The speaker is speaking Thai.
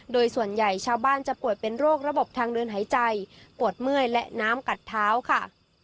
โดยส่วนใหญ่ชาวบ้านจะป่วยเป็นโรคระบบทางเดินหายใจปวดเมื่อยและน้ำกัดเท้าค่ะ